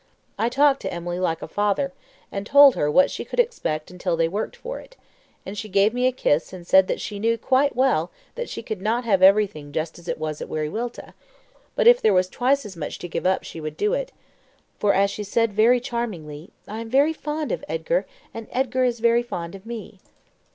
I talked to Emily like a father, and told her what she could expect until they worked for it; and she gave me a kiss, and said that she knew quite well that she could not have everything just as it was at Wiriwilta, but if there was twice as much to give up she would do it; for, as she said very charmingly, 'I am very fond of Edgar, and Edgar is very fond of me.'